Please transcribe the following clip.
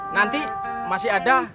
nanti masih ada